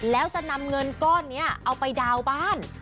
แล้วจะนำเงินก้อนนี้เอาไปดาวน์บ้าน